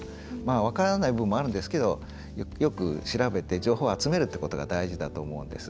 分からない部分もあるんですけどよく調べて情報を集めるっていうことが大事だと思うんです。